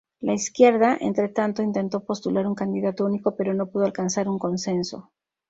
La izquierda, entretanto, intentó postular un candidato único, pero no pudo alcanzar un consenso.